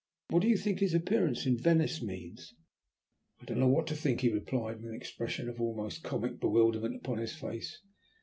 What do you think his appearance in Venice means?" "I don't know what to think," he replied, with an expression of almost comic bewilderment upon his face.